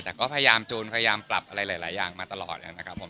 แต่ก็พยายามจูนพยายามปรับอะไรหลายอย่างมาตลอดนะครับผม